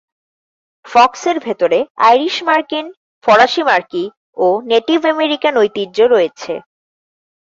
ফক্সের ভেতরে আইরিশ-মার্কিন, ফরাসি-মার্কি, ও নেটিভ আমেরিকান ঐতিহ্য রয়েছে।